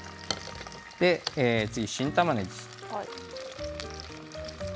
次は新たまねぎ。